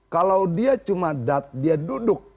kalau dia cuma dia duduk